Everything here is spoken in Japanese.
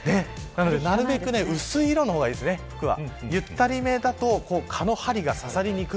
なるべく薄い色の方がいいです、服は。